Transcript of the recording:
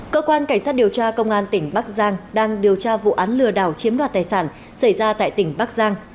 cơ quan cảnh sát điều tra công an tỉnh bắc giang đang điều tra vụ án lừa đảo chiếm đoạt tài sản xảy ra tại tỉnh bắc giang